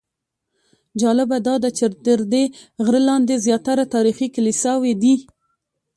جالبه داده چې تر دې غره لاندې زیاتره تاریخي کلیساوې دي.